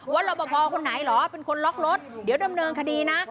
ว่ารบอดคอททหรือเป็นคนล็อครถเดี๋ยวเดิมเนินคดีนะ